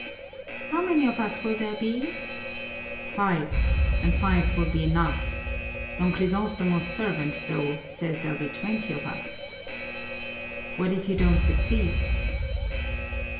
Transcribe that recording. "How many of us will there be?" "Five, and five will be enough. Don Crisostomo's servant, though, says there'll be twenty of us." "What if you don't succeed?"